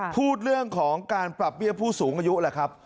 พูดเรื่องของการปรับเบี้ยผู้สูงอายุแหละครับ